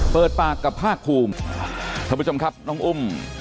เปิดปากกับภาคภูมิท่านผู้ชมครับน้องอุ้ม